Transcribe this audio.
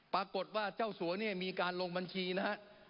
ปรากฏว่าเจ้าสัวเนี่ยมีการลงบัญชีนะฮะ